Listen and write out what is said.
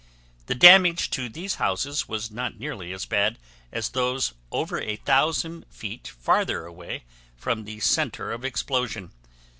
The damage to these houses was not nearly as bad as those over a thousand feet farther away from the center of explosion.